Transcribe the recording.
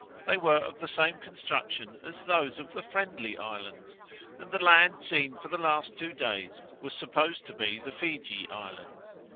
They were of the same construction as those of the Friendly Islands, and the land seen for the last two days was supposed to be the Fiji Islands.